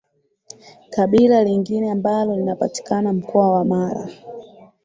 Kabila lingine ambalo linapatikana mkoa wa Mara